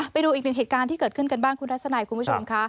ไปดูอีกหนึ่งเหตุการณ์ที่เกิดขึ้นกันบ้างคุณทัศนัยคุณผู้ชมค่ะ